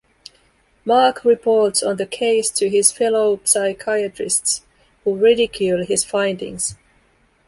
Mark reports on the case to his fellow psychiatrists, who ridicule his findings.